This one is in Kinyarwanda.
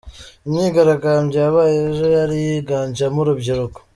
Imyigaragambyo yabaye ejo yari yiganjemo urubyiruko.